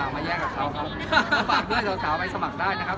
มาแย่งกับเขาครับมาฝากเพื่อนสาวไปสมัครได้นะครับ